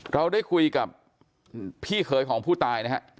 เราได้คุยกับพี่เคยของผู้ตายนี่ครับ